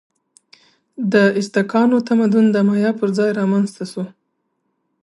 د ازتکانو تمدن د مایا پر ځای رامنځته شو.